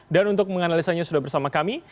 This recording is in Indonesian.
dan untuk menganalisanya sudah bersama kami